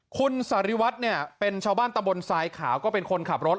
คุณสาริวัตรเนี่ยเป็นชาวบ้านตะบนทรายขาวก็เป็นคนขับรถ